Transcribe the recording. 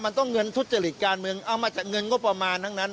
มันต้องเงินทุจริตการเมืองเอามาจากเงินงบประมาณทั้งนั้น